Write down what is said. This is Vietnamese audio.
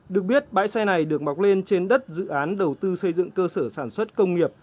được biết bãi xe này được mọc lên trên đất dự án đầu tư xây dựng cơ sở sản xuất công nghiệp